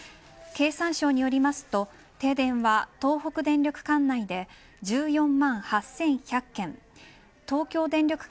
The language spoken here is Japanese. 経産省によりますと停電は東北電力管内で１４万８１００軒東京電力